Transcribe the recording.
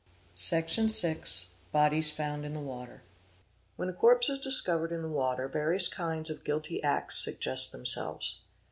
Section vi—Bodies found in the water ", When a corpse is discovered in the water various kinds of guilty acts' suggest themselves.